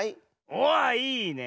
おいいね。